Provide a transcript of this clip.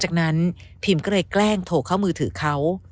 จากนั้นพิมก็เลยแกล้งโทรเข้ามือถือเขา